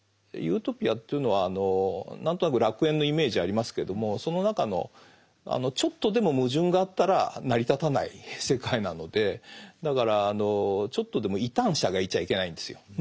ユートピアというのは何となく楽園のイメージありますけれどもその中のちょっとでも矛盾があったら成り立たない世界なのでだからあのちょっとでも異端者がいちゃいけないんですよ